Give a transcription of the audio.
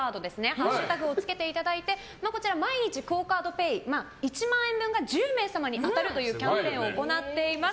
ハッシュタグをつけていただいて毎日ＱＵＯカードＰａｙ１万円分が１０名様に当たるというキャンペーンを行っています。